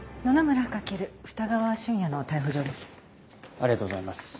ありがとうございます。